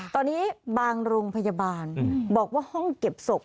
ตอนนี้บางโรงพยาบาลบอกว่าห้องเก็บศพ